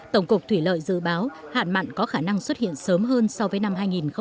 tổng cục thủy lợi dự báo hạn mặn có khả năng xuất hiện sớm hơn so với năm hai nghìn một mươi tám